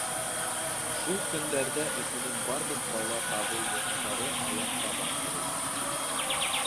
Шул көндәрҙә Өфөнөң барлыҡ бала табыу йорттары аяҡҡа баҫтырылды.